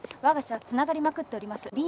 わが社はつながりまくっております。